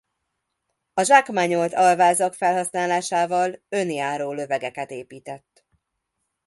A zsákmányolt alvázak felhasználásával önjáró lövegeket épített.